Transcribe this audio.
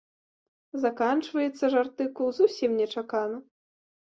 Заканчваецца ж артыкул зусім нечакана.